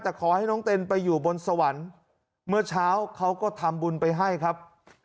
แต่ขอให้น้องเต้นไปอยู่บนสวรรค์เมื่อเช้าเขาก็ทำบุญไปให้ครับ